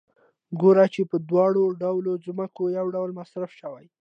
ګورو چې په دواړه ډوله ځمکو یو ډول مصارف شوي